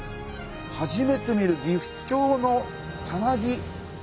初めて見るギフチョウのさなぎ。